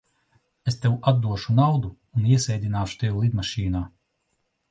Es tev atdošu naudu un iesēdināšu tevi lidmašīnā.